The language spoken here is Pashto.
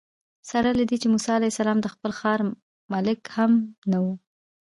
سره له دې چې موسی علیه السلام د خپل ښار ملک هم نه و.